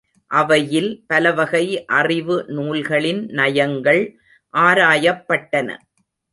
அவையில் பலவகை அறிவு நூல்களின் நயங்கள் ஆராயப்பட்டன.